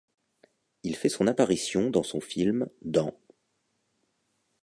Il fait son apparition dans son film dans '.